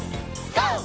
ＧＯ！